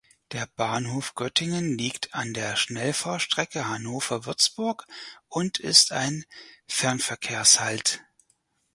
Der Bahnhof Göttingen liegt an der Schnellfahrstrecke Hannover–Würzburg und ist ein Fernverkehrshalt.